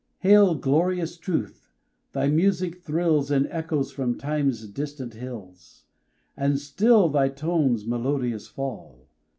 Hail, glorious truth! Thy music thrills In echoes from time's distant hills; And still thy tones melodious fall.